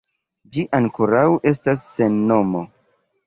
Ĝi ankoraŭ estas sen nomo.